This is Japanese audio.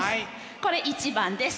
これ１番です。